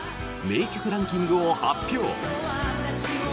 名曲ランキングを発表！